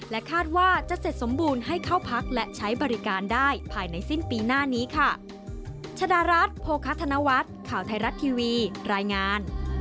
คาดว่าจะเสร็จสมบูรณ์ให้เข้าพักและใช้บริการได้ภายในสิ้นปีหน้านี้ค่ะ